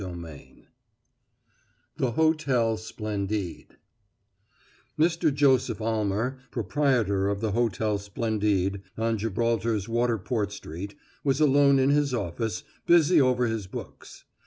CHAPTER VII THE HOTEL SPLENDIDE Mr. Joseph Almer, proprietor of the Hotel Splendide, on Gibraltar's Waterport Street, was alone in his office, busy over his books.